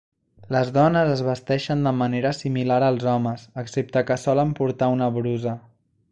Les dones es vesteixen de manera similar als homes, excepte que solen portar una brusa.